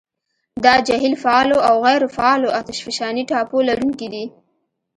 دا جهیل فعالو او غیرو فعالو اتشفشاني ټاپو لرونکي دي.